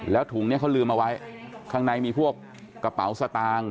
แล้วถุงนี้เขาลืมเอาไว้ข้างในมีพวกกระเป๋าสตางค์